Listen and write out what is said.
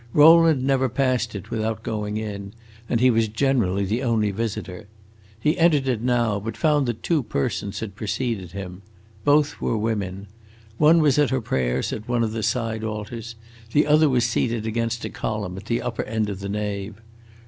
Rowland never passed it without going in, and he was generally the only visitor. He entered it now, but found that two persons had preceded him. Both were women. One was at her prayers at one of the side altars; the other was seated against a column at the upper end of the nave.